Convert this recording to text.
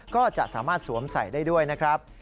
ก็จะสามารถสวมใส่ได้ด้วยนะครับ